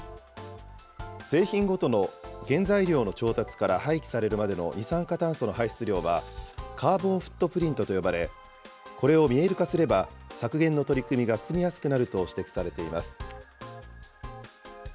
製品ごとの原材料の調達から廃棄されるまでの二酸化炭素の排出量は、カーボンフットプリントと呼ばれ、これを見える化すれば、削減の取り組みが進みやすくなると指摘されています。